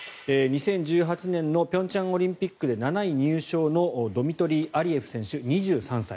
２０１８年の平昌オリンピックで７位入賞のドミトリー・アリエフ選手２３歳。